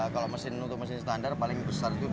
kalau mesin standar paling besar itu dua ribu empat ratus cc